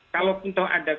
kalau pintu ada